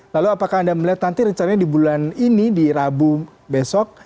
lalu apakah anda melihat nanti rencananya di bulan ini di rabu besok